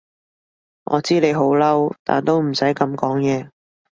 我知你好嬲，但都唔使噉講嘢